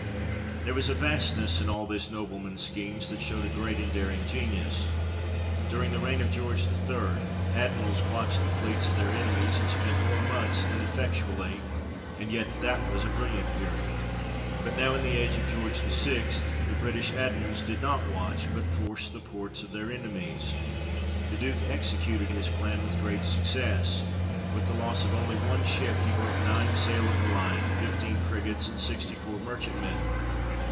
There was a vastness in all this nobleman's schemes, that showed a great and daring genius. During the reign of George III. Admirals watched the fleets of their enemies, and spent whole months ineffectually, and yet that was a brilliant period. But now in the age of George VI. the British Admirals did not watch, but force the ports of their enemies. The Duke executed his plan with great success ; with the loss of only one ship, he burnt nine sail of the line, fifteen frigates, and sixty four merchantmen.